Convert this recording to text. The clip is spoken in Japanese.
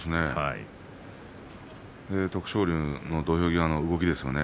徳勝龍の土俵際の動きですね